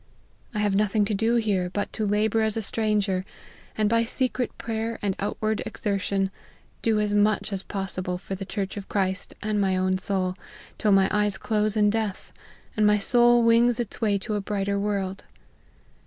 I have nothing to' do here, but to labour as a stranger, and by secret prayer and outward exertion, do as much as possi ble for the church of Christ and my own soul, till my eyes close in death, and my soul wings its way to a brighter world.